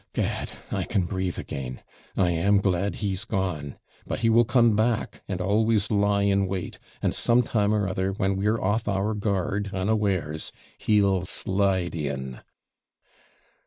Gad! I can breathe again. I am glad he's gone. But he will come back and always lie in wait, and some time or other, when we're off our guard (unawares), he'll slide in.'